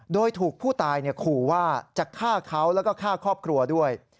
โดยถูกผู้ตายขู่ว่าจะฆ่าเขาแล้วก็ฆ่าครอบครัวด้วย